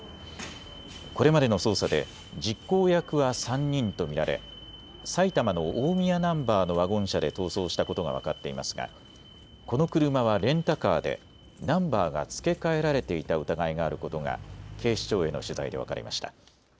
これまでの捜査で実行役は３人と見られ埼玉の大宮ナンバーのワゴン車で逃走したことが分かっていますがこの車はレンタカーでナンバーが付け替えられていた疑いがあることが警視庁への取材で分かりました。